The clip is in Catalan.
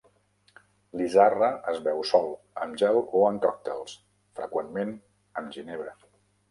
L'izarra es beu sol, amb gel o en còctels, freqüentment amb ginebra.